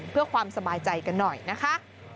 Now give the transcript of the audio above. เพื่อความสบายใจกันหน่อยนะคะ